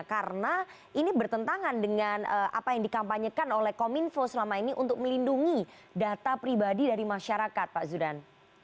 karena ini bertentangan dengan apa yang dikampanyekan oleh kominfo selama ini untuk melindungi data pribadi dari masyarakat pak zudan